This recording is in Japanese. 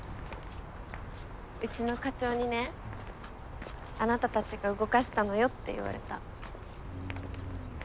うちの課長にねあなたたちが動かしたのよって言われた。